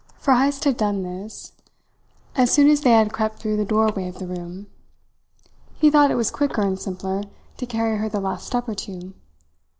For Heyst had done this as soon as they had crept through the doorway of the room. He thought it was quicker and simpler to carry her the last step or two.